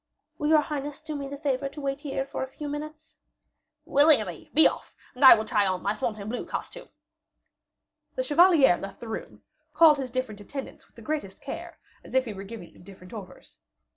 "Will your highness do me the favor to wait here a few minutes?" "Willingly; be off, and I will try on my Fontainebleau costume." The chevalier left the room, called his different attendant with the greatest care, as if he were giving them different orders.